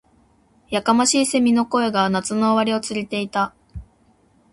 •やかましい蝉の声が、夏の終わりを告げていた。